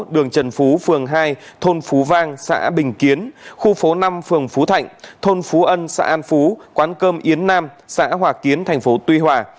đường trần phú phường hai thôn phú vang xã bình kiến khu phố năm phường phú thạnh thôn phú ân xã an phú quán cơm yến nam xã hòa tiến thành phố tuy hòa